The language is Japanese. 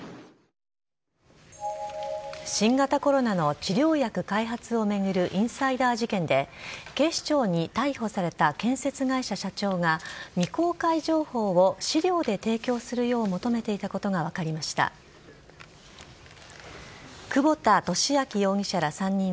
新型コロナの治療薬開発を巡るインサイダー事件で、警視庁に逮捕された建設会社社長が、未公開情報を資料で提供するよう求めていたことが分かりました。